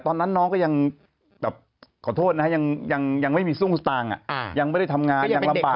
ตอนนั้นน้องก็ยังแบบขอโทษนะฮะยังไม่มีซุ่มสตางค์ยังไม่ได้ทำงานยังลำบาก